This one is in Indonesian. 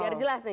biar jelas ya